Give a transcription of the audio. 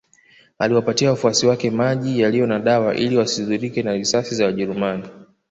Aliwapatia wafuasi wake maji yaliyo na dawa ili wasidhurike na risasi za wajerumani